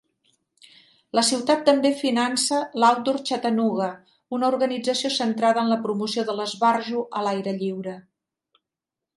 La ciutat també finança l'Outdoor Chattanooga, una organització centrada en la promoció de l'esbarjo a l'aire lliure.